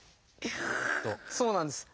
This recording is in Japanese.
そうなんです。